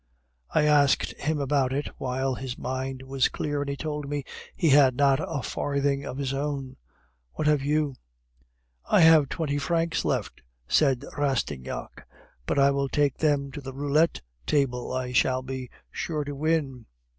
I asked him about it while his mind was clear, and he told me he had not a farthing of his own. What have you?" "I have twenty francs left," said Rastignac; "but I will take them to the roulette table, I shall be sure to win."